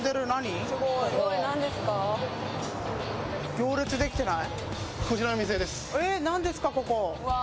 行列できてない？